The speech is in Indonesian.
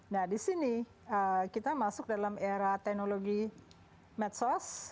nah disini kita masuk dalam era teknologi medsos